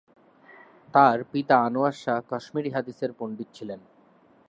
তাঁর পিতা আনোয়ার শাহ কাশ্মীরি হাদিসের পণ্ডিত ছিলেন।